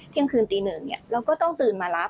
เที่ยงคืนตีหนึ่งเราก็ต้องตื่นมารับ